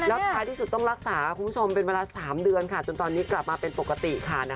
แล้วท้ายที่สุดต้องรักษาคุณผู้ชมเป็นเวลา๓เดือนค่ะจนตอนนี้กลับมาเป็นปกติค่ะ